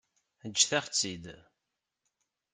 Ǧǧet-aɣ-tt-id.